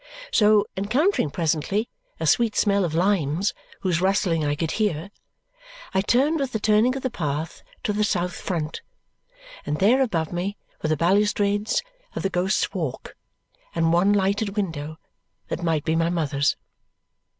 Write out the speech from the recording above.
So, encountering presently a sweet smell of limes, whose rustling I could hear, I turned with the turning of the path to the south front, and there above me were the balustrades of the Ghost's Walk and one lighted window that might be my mother's.